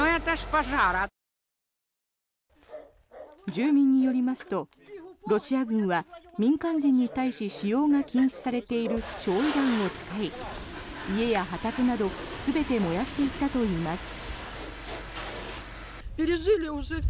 住民によりますとロシア軍は、民間人に対し使用が禁止されている焼い弾を使い、家や畑など全て燃やしていったといいます。